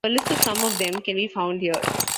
A list of some of them can be found here.